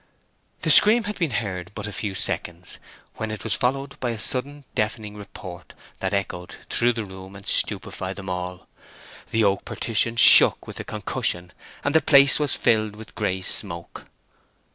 The scream had been heard but a few seconds when it was followed by sudden deafening report that echoed through the room and stupefied them all. The oak partition shook with the concussion, and the place was filled with grey smoke.